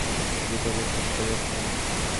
তিনি কৃতিত্বের স্বাক্ষর রাখেন।